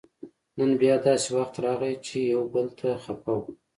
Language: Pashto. نن بیا داسې وخت راغی چې یو بل ته خپه وو